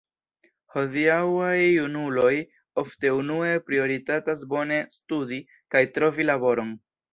Hodiaŭaj junuloj ofte unue prioritatas bone studi kaj trovi laboron.